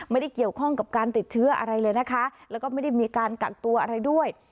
ไม่ได้เกี่ยวข้องกับการติดเชื้ออะไรเลยนะคะแล้วก็ไม่ได้มีการกักตัวอะไรด้วย